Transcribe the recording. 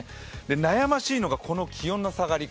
悩ましいのがこの気温の下がり方。